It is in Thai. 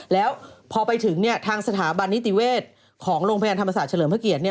แล้วพอไปถึงทางสถาบันนิติเวชของโรงพยาบาลธรรมศาสตร์เฉลิมพระเกียรติ